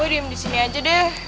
gue diam di sini aja deh